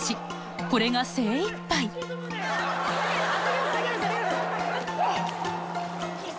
これが精いっぱいあ。